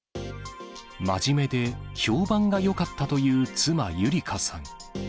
真面目で評判がよかったという妻、優理香さん。